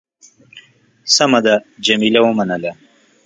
سمه ده. جميله ومنله.